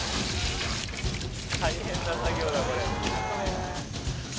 大変な作業だこれ。